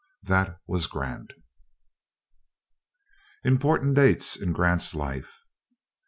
That was Grant. IMPORTANT DATES IN GRANT'S LIFE 1822.